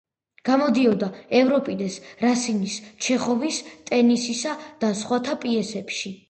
გამოდიოდა ევრიპიდეს, რასინის, ჩეხოვის, ტენესისა და სხვათა პიესებში.